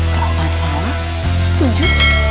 kalau masalah setuju